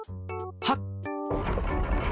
はっ！